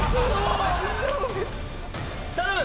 頼む！